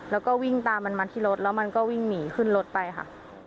แล้วก็วิ่งตามมันมาที่รถแล้วมันก็วิ่งหนีขึ้นรถไปค่ะ